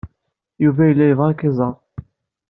Yuba yella yebɣa ad k-iẓer.